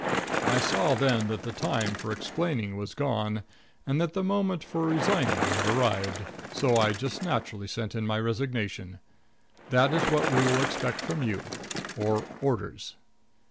_" I saw then that the time for explaining was gone and that the moment for resigning had arrived; so I just naturally sent in my resignation. That is what we will expect from you or orders.